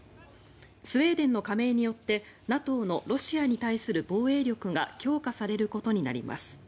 スウェーデンの加盟によってＮＡＴＯのロシアに対する防衛力が強化されることになります。